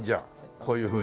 こういうふうに。